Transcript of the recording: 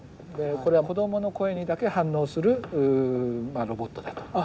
これは子どもの声にだけ反応するロボットだと。